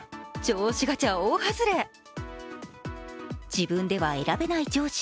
自分では選べない上司。